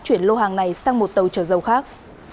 chuyển lô hàng này sang một tàu chở dầu khác